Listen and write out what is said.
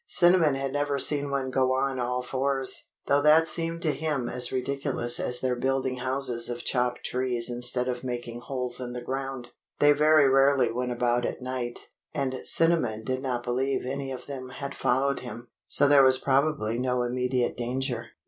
Cinnamon had never seen one go on all fours, though that seemed to him as ridiculous as their building houses of chopped trees instead of making holes in the ground. They very rarely went about at night, and Cinnamon did not believe any of them had followed him, so there was probably no immediate danger.